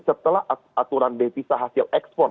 setelah aturan devisa hasil ekspor